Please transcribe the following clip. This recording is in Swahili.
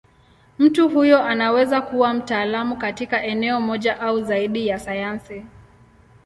Mtu huyo anaweza kuwa mtaalamu katika eneo moja au zaidi ya sayansi.